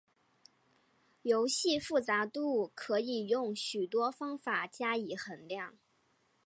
游戏复杂度可以用许多方法加以衡量。